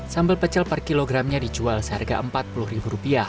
sambal pecel per kilogramnya dijual seharga rp empat puluh